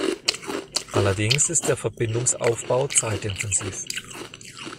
Allerdings ist der Verbindungsaufbau zeitintensiv.